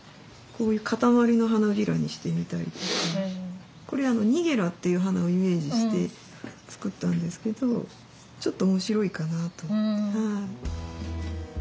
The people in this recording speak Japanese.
こういう片割りの花びらにしてみたりとかこれはニゲラっていう花をイメージして作ったんですけどちょっと面白いかなと思って。